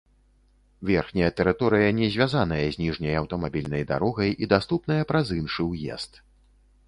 Верхняя тэрыторыя не звязаная з ніжняй аўтамабільнай дарогай, і даступная праз іншы ўезд.